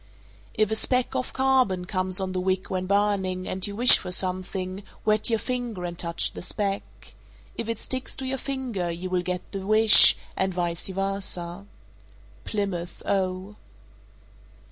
_ 434. If a speck of carbon comes on the wick when burning, and you wish for something, wet your finger and touch the speck. If it sticks to your finger, you will get the wish, and vice versa. _Plymouth, O.